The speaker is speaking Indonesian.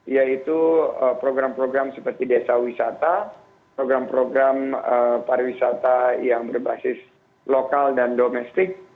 yaitu program program seperti desa wisata program program pariwisata yang berbasis lokal dan domestik